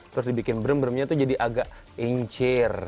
terus dibikin brem bremnya tuh jadi agak incir